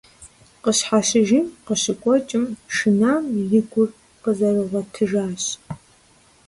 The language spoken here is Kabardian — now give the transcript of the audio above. Къыщхьэщыжын къыщыкъуэкӀым, шынам и гур къызэрыгъуэтыжащ.